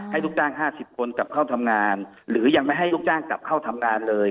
ลูกจ้าง๕๐คนกลับเข้าทำงานหรือยังไม่ให้ลูกจ้างกลับเข้าทำงานเลย